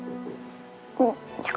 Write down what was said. aku juga nggak tahu